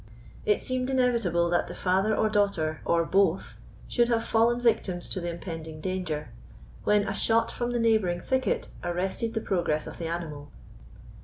It seemed inevitable that the father or daughter, or both, should have fallen victims to the impending danger, when a shot from the neighbouring thicket arrested the progress of the animal.